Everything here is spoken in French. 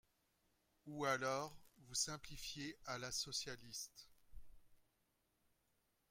Ou alors, vous simplifiez à la socialiste